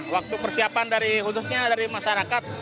waktu persiapan dari khususnya dari masyarakat